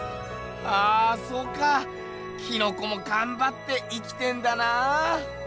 ああそうかキノコもがんばって生きてんだなぁ。